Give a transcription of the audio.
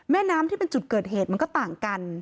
แม่น้ำที่เป็นจุดเกิดเหตุมันก็ต่างกัน